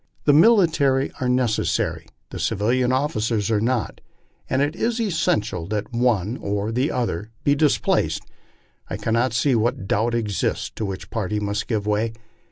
The military are necessary the civil officers are not; and as it is essential that the one or the other be displaced, I cannot see what doubt exists as to which party must give way.